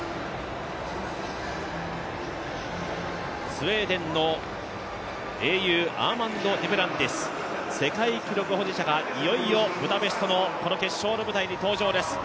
スウェーデンの英雄、アーマンド・デュプランティス、世界記録保持者がいよいよブダペストのこの決勝の舞台に登場です。